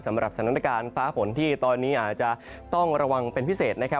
สำหรับสถานการณ์ฟ้าฝนที่ตอนนี้อาจจะต้องระวังเป็นพิเศษนะครับ